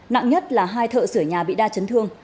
nặng nhất là hai thợ sửa nhà bị đa chấn thương